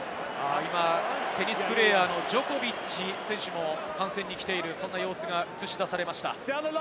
テニスプレーヤーのジョコビッチ選手も観戦に来ている様子が映し出されました。